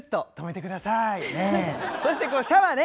そしてシャワーね。